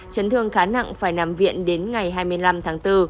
chấn thương khá nặng phải nằm viện đến ngày hai mươi năm tháng bốn